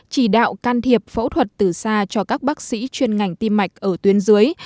chỉ đạo can thiệp phẫu thuật từ xa cho các bác sĩ chuyên ngành tim mạch ở tuyến dưới